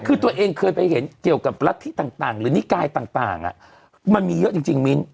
คือตัวเองเคยไปเห็นเกี่ยวกับรัฐธิต่างหรือนิกายต่างมันมีเยอะจริงมิ้น